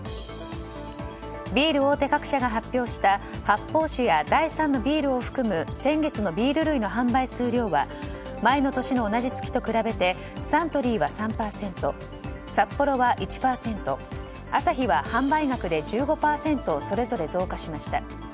ビール大手各社が発表した発泡酒や第３のビールを含む先月のビール類の販売数量は前の年の同じ月と比べてサントリーは３％サッポロは１％アサヒは販売額で１５％それぞれ増加しました。